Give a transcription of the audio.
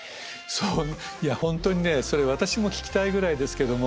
いや本当にねそれ私も聞きたいぐらいですけども。